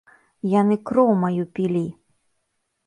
Яны кроў маю пілі!